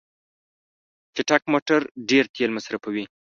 چټک موټر ډیر تېل مصرفوي.